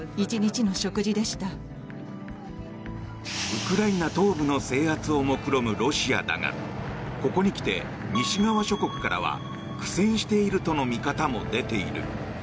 ウクライナ東部の制圧をもくろむロシアだがここに来て、西側諸国からは苦戦しているとの見方も出ている。